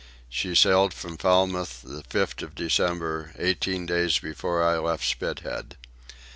She sailed from Falmouth the 5th of December, eighteen days before I left Spithead.